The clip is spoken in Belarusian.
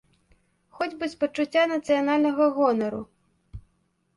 Хоць бы з пачуцця нацыянальнага гонару.